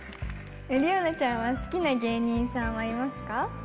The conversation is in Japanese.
理央奈ちゃんは好きな芸人さんはいますか？